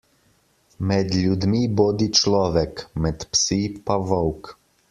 Med ljudmi bodi človek, med psi bodi volk.